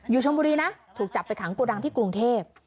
ชนบุรีนะถูกจับไปขังโกดังที่กรุงเทพ